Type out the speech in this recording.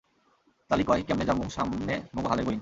তালই কয়, কেমমে যামু সামনে মোগো হালের গোইন।